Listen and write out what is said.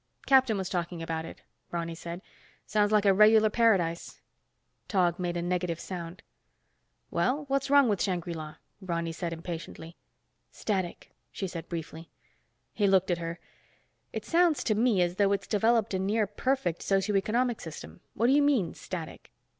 "Captain was talking about it," Ronny said. "Sounds like a regular paradise." Tog made a negative sound. "Well, what's wrong with Shangri La?" Ronny said impatiently. "Static," she said briefly. He looked at her. "It sounds to me as though it's developed a near perfect socio economic system. What do you mean, static?"